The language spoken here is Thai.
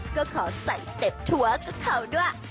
ก็ขอใส่เซ็ปทัวร์กับเขาด้วย